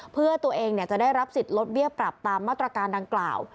เพื่อตัวเองจะได้รับสิทธิ์ลดเบี้ยปรับตามมาตรการดังกล่าว